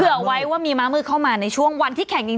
เพื่อไว้ว่ามีมากมือก็เข้ามาในช่วงวันที่แข็งจริง